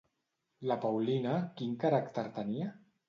La Paulina, quin caràcter tenia?